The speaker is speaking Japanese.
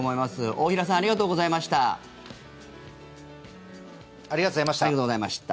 大平さんありがとうございました。